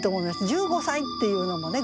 「十五歳」っていうのもね